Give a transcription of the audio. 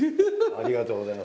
ありがとうございます。